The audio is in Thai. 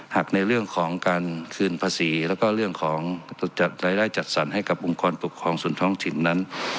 ในเรื่องของการคืนภาษีแล้วก็เรื่องของจัดรายได้จัดสรรให้กับองค์กรปกครองส่วนท้องถิ่นนั้น